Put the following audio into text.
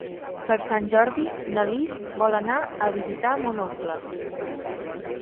Per Sant Jordi na Lis vol anar a visitar mon oncle.